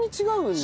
違う。